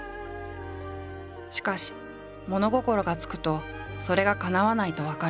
しかし物心がつくとそれがかなわないと分かる。